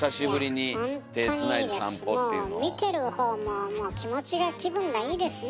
見てるほうも気持ちが気分がいいですね。